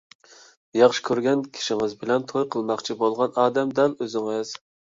ياخشى كۆرگەن كىشىڭىز بىلەن توي قىلماقچى بولغان ئادەم دەل ئۆزىڭىز!